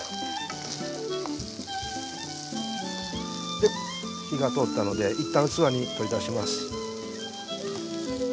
で火が通ったので一旦器に取り出します。